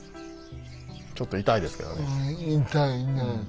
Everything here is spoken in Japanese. ちょっと痛いですけどね。